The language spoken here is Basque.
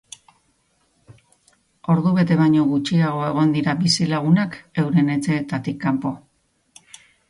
Ordubete baino gutxiago egon dira bizilagunak euren etxeetatik kanpo.